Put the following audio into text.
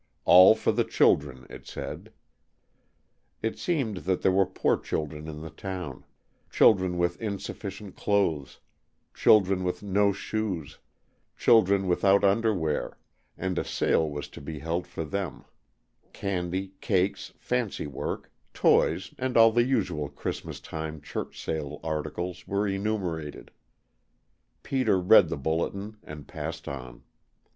"All For The Children," it said. It seemed that there were poor children in the town children with insufficient clothes, children with no shoes, children without underwear, and a sale was to be held for them; candy, cakes, fancy work, toys and all the usual Christmas time church sale articles were enumerated. Peter read the bulletin, and passed on.